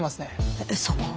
えっそこ？